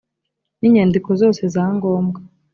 n inyandiko zose za ngombwa